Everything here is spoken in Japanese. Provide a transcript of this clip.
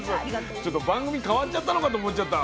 ちょっと番組変わっちゃったのかと思っちゃった。